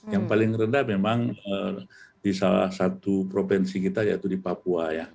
yang paling rendah memang di salah satu provinsi kita yaitu di papua ya